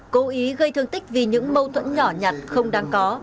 cố ý gây thương tích vì những mâu thuẫn nhỏ nhặt không đáng có